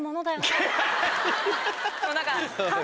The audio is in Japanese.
もう何か。